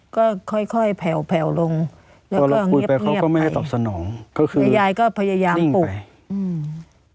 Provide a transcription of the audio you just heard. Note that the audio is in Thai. ก็ค่อยแผ่วแผ่วลงตอนเราคุยไปเขาก็ไม่ให้ตอบสนองแต่ยายก็พยายามปุ่บ